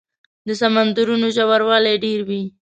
د سمندرونو ژوروالی ډېر وي.